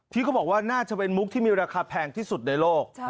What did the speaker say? เขาบอกว่าน่าจะเป็นมุกที่มีราคาแพงที่สุดในโลก